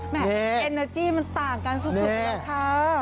แม่ฮารุอเนอร์จี้มันต่างกันสุขแล้วค่ะ